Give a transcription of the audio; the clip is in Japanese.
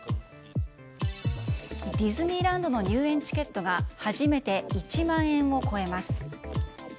ディズニーランドの入園チケットが初めて１万円を超えます。